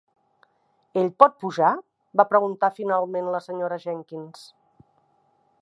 "Ell pot pujar?" va preguntar finalment la senyora Jenkyns.